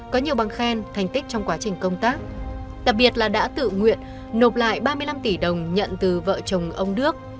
có nhiều bằng khen thành tích trong quá trình công tác đặc biệt là đã tự nguyện nộp lại ba mươi năm tỷ đồng nhận từ vợ chồng ông đức